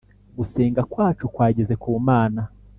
gusenga kwacu kwageze ku Mana.